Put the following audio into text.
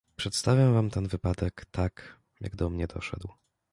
"Przedstawiam wam ten wypadek tak, jak do mnie doszedł."